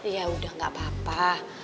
ya udah gak apa apa